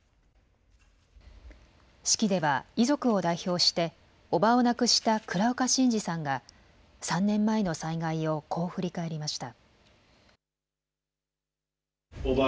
式では遺族を代表して伯母を亡くした倉岡伸至さんが３年前の災害をこう振り返りました。